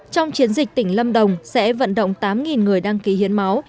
trong chiến dịch tỉnh lâm đồng sẽ vận động tám người đăng ký hiến máu